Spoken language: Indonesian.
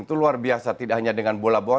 itu luar biasa tidak hanya dengan bola bola